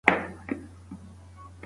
فارمسي پوهنځۍ په غلطه توګه نه تشریح کیږي.